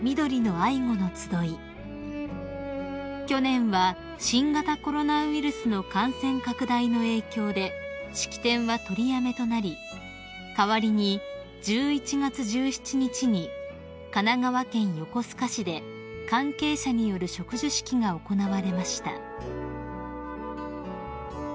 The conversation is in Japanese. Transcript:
［去年は新型コロナウイルスの感染拡大の影響で式典は取りやめとなり代わりに１１月１７日に神奈川県横須賀市で関係者による植樹式が行われました］